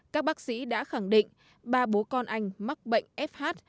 các bác sĩ đã khẳng định ba bố con anh mắc bệnh fh